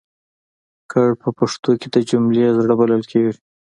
کړ په پښتو کې د جملې زړه بلل کېږي.